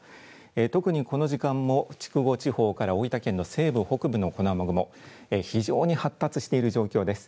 特にこの時間も筑後地方から大分県の西部、北部のこの雨雲、非常に発達している状況です。